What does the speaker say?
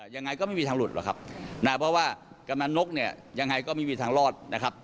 ยังไงก็ไม่มีทางหลุดหรอกครับนะเพราะว่ากำลังนกเนี่ยยังไงก็ไม่มีทางรอดนะครับ